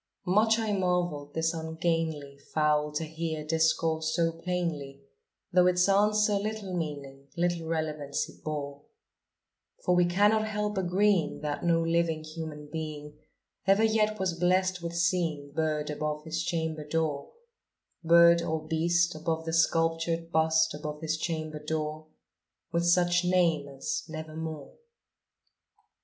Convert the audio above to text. Much I marvelled this ungainly fowl to hear discourse so plainly, Though its answer little meaning little relevancy bore; For we cannot help agreeing that no living human being Ever yet was blessed with seeing bird above his chamber door Bird or beast above the sculptured bust above his chamber door, With such name as "Nevermore."